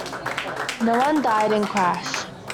No one died in crash.